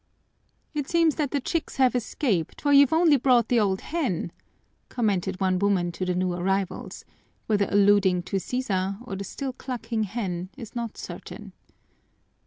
"It seems that the chicks have escaped, for you've brought only the old hen!" commented one woman to the new arrivals, whether alluding to Sisa or the still clucking hen is not certain.